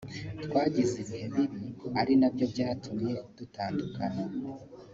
twagize ibihe bibi ari nabyo byatumye dutandukana”